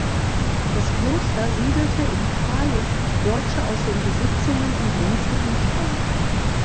Das Kloster siedelte in Kralik Deutsche aus den Besitzungen im Grenzgebiet an.